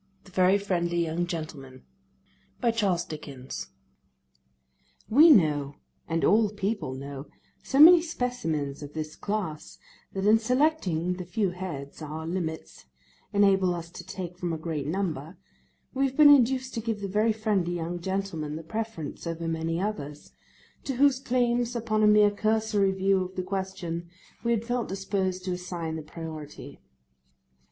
THE VERY FRIENDLY YOUNG GENTLEMAN WE know—and all people know—so many specimens of this class, that in selecting the few heads our limits enable us to take from a great number, we have been induced to give the very friendly young gentleman the preference over many others, to whose claims upon a more cursory view of the question we had felt disposed to assign the priority.